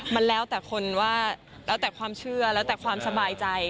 มันแล้วแต่คนว่าแล้วแต่ความเชื่อแล้วแต่ความสบายใจ